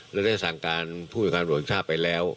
และได้สั่งการผู้บินการบริษัทไปแล้ว